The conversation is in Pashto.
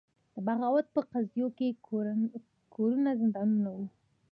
د بغاوت په قضیو کې کورونه زندانونه وو.